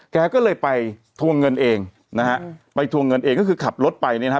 แกก็เลยไปทวงเงินเองนะฮะไปทวงเงินเองก็คือขับรถไปเนี่ยนะฮะ